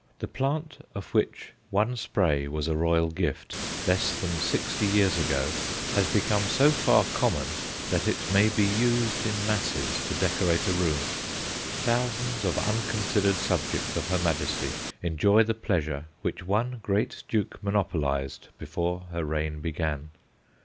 The plant of which one spray was a royal gift less than sixty years ago has become so far common that it may be used in masses to decorate a room. Thousands of unconsidered subjects of Her Majesty enjoy the pleasure which one great duke monopolized before her reign began.